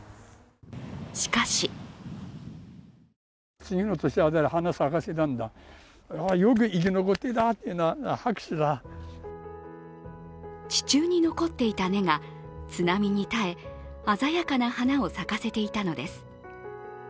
しかし地中に残っていた根が津波に耐え鮮やかな花を咲かせていたのです。